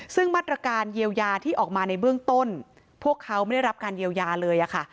ซึ่งมาตรการเยียวยาที่ออกมาในเบื้องต้นพวกเขาไม่ได้รับการเยียวยาเลยค่ะ